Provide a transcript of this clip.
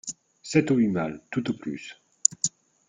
Sept ou huit malles, tout au plus.